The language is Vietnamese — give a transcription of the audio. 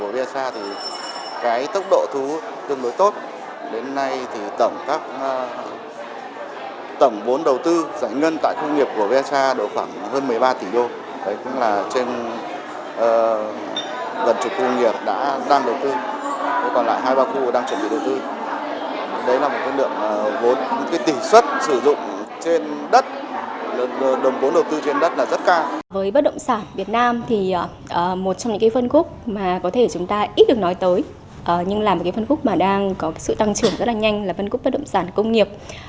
với bất động sản việt nam thì một trong những phân khúc mà có thể chúng ta ít được nói tới nhưng là một phân khúc mà đang có sự tăng trưởng rất là nhanh là phân khúc bất động sản công nghiệp